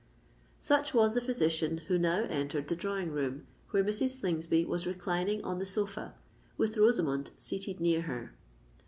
Such was the physician who now entered the drawing room where Mrs. Slingsby was reclining on the sofa with Rosamond seated near her.